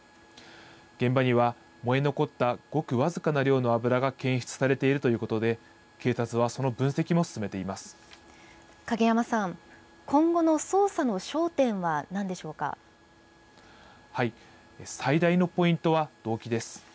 現場には燃え残ったごく僅かな量の油が検出されているということで、警察はその分析も進めていま影山さん、今後の捜査の焦点最大のポイントは、動機です。